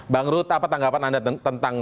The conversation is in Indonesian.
bang ruth apa tanggapan anda tentang